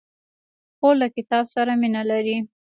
خور له کتاب سره مینه لري.